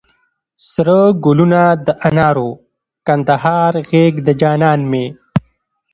سره ګلونه د انارو، کندهار غېږ د جانان مي